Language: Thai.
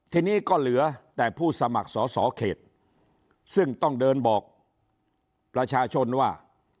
ทีนี้ก็เหลือแต่ผู้สมัครสอสอเขตซึ่งต้องเดินบอกประชาชนว่า